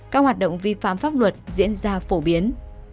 các hoạt động vi phạm pháp luật diễn ra phổ biến